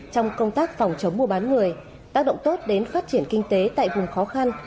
trong công tác phòng chống mua bán người tác động tốt đến phát triển kinh tế tại vùng khó khăn